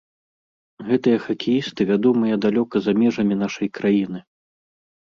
Гэтыя хакеісты вядомыя далёка за межамі нашай краіны.